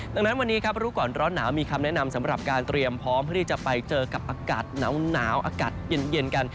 ดังนั้นวันนี้ครับรู้ก่อนร้อนหนาวมีคำแนะนำสำหรับการเตรียมพร้อมเพื่อที่จะไปเจอกับอากาศหนาวอากาศเย็นกัน